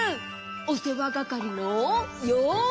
おせわがかりのようせい。